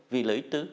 vì lợi ích tư